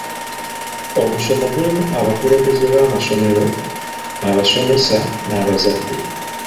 Omusomo gulimu abakulembeze b'amasomero, abasomesa n'abazadde.